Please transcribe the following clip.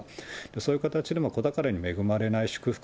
そういう形で子宝に恵まれない祝福